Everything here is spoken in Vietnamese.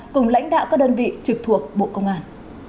cùng lãnh đạo các đơn vị trực thuộc bộ công an